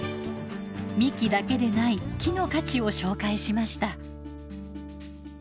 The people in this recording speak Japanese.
幹だけでない木の価値を紹介しました。